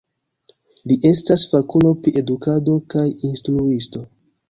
Li estas fakulo pri edukado kaj instruisto.